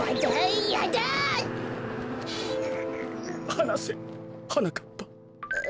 はなせはなかっぱ。